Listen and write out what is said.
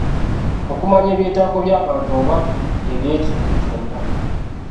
Okumanya ebyetaago by'abantu oba eby'ekintu kyonna.